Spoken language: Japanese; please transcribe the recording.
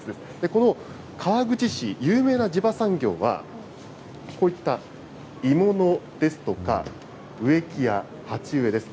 この川口市、有名な地場産業は、こういった鋳物ですとか、植木や鉢植えです。